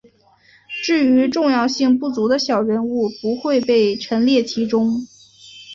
至于重要性不足的小人物不会被陈列其中。